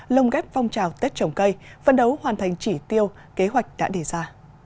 lông ghép phong trào tết trồng cây phấn đấu hoàn thành chỉ tiêu kế hoạch đã đề ra